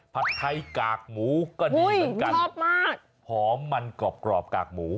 ผัดไทยกากหมูก็ดีเหมือนกันชอบมากหอมมันกรอบกรอบกากหมู